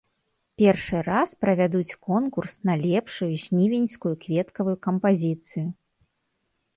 Першы раз правядуць конкурс на лепшую жнівеньскую кветкавую кампазіцыю.